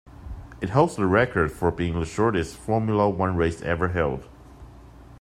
It holds the record for being the shortest Formula One race ever held.